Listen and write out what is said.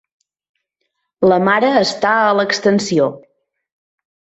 La mare està a l'extensió.